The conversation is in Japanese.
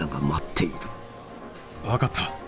分かった。